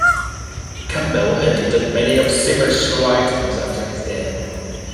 Campbell edited many of Zimmer's writings after his death.